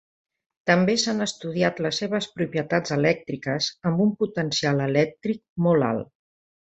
També s'han estudiat les seves propietats elèctriques amb un potencial elèctric molt alt.